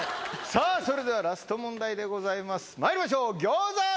さあ、それではラスト問題でございます。